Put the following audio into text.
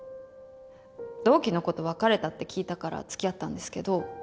同期の子と別れたって聞いたからつきあったんですけど。